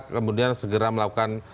kemudian segera melakukan